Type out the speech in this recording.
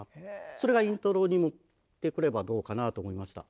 それがイントロに持ってくればどうかなと思いました。